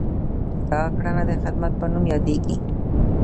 دا کړنه د خدمت په نوم یادیږي.